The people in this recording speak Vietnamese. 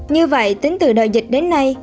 như vậy tính từ đợi dịch đến nay